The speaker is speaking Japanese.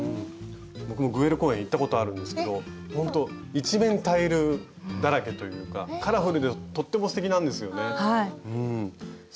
僕もグエル公園行ったことあるんですけどほんと一面タイルだらけというかカラフルでとってもすてきなんですよね。